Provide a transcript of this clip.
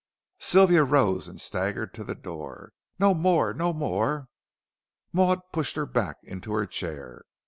Sylvia rose and staggered to the door. "No more no more." Maud pushed her back into her chair.